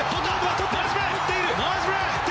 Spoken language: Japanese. とっている！